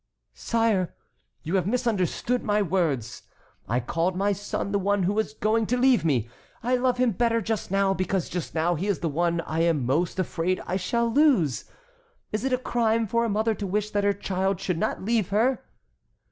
"Sire, you have misunderstood my words. I called my son the one who was going to leave me. I love him better just now because just now he is the one I am most afraid I shall lose. Is it a crime for a mother to wish that her child should not leave her?"